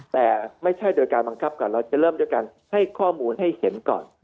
แต่ไม่ใช่โดยการบังคับก่อนเราจะเริ่มด้วยการให้ข้อมูลให้เห็นก่อน